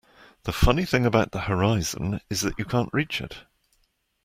The funny thing about the horizon is that you can't reach it.